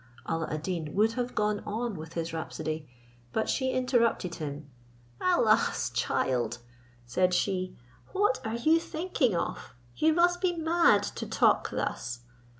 Alla ad Deen would have gone on with his rhapsody, but she interrupted him. "Alas! child," said she, "what are you thinking of? you must be mad to talk thus."